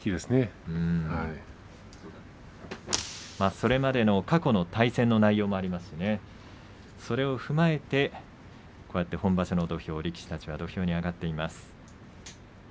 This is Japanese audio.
それまでの過去の対戦の内容もありますしそれを踏まえて本場所の土俵力士たちは土俵に上がっています。